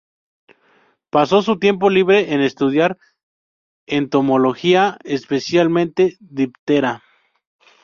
Pasó su tiempo libre en estudiar entomología, especialmente "Diptera".